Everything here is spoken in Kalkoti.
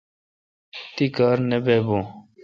تی کار نہ بہ بو۔